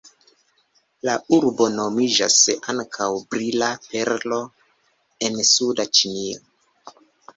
La urbo nomiĝas ankaŭ "Brila Perlo en Suda Ĉinio".